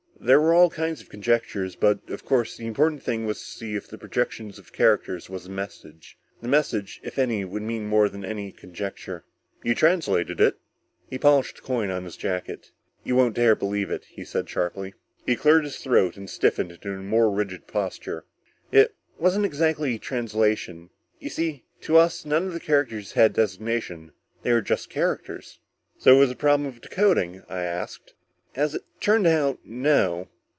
"There were all kinds of conjectures, but, of course, the important thing was to see if the projection of characters was a message. The message, if any, would mean more than any conjecture." "You translated it?" He polished the coin on his jacket. "You won't dare believe it," he said sharply. He cleared his throat and stiffened into a more rigid posture. "It wasn't exactly translation. You see, to us none of the characters had designation. They were just characters." "So it was a problem of decoding?" I asked. "As it turned out, no.